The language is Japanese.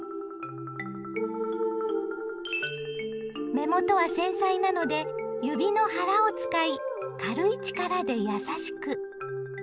目元は繊細なので指の腹を使い軽い力で優しく。